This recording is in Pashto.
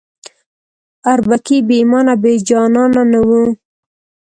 اربکی بې ایمانه او بې جانانه نه وو.